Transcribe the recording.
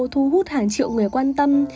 thu hút hàng triệu người quan tâm